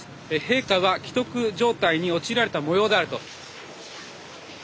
陛下は危篤状態に陥られたもようであると。